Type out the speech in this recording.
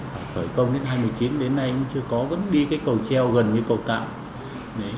phải khởi công đến hai mươi chín đến nay cũng chưa có vẫn đi cái cầu treo gần như cầu tạm